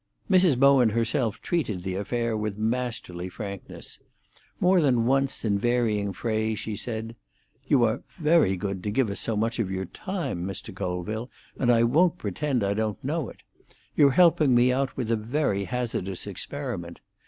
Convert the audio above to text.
Mrs. Bowen herself treated the affair with masterly frankness. More than once in varying phrase, she said: "You are very good to give us so much of your time, Mr. Colville, and I won't pretend I don't know it. You're helping me out with a very hazardous experiment.